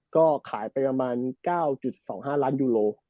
ก็ขายไปประมาณ๙๒๕ล้านยูโร